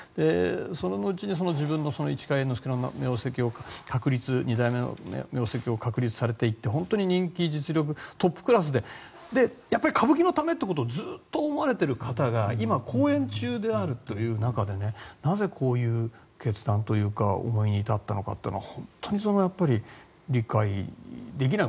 そののちに自分の市川猿之助の名跡を二代目の名跡を確立されていって本当に人気、実力トップクラスで歌舞伎のためとずっと思われている方が今公演中であるという中でなぜこういう決断というか思いに至ったのかというのは本当に理解できない。